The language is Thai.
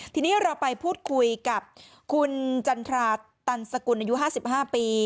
ทีนี้เราไปพูดคุยกับคุณจันทราตันสกุลอายุ๕๕ปี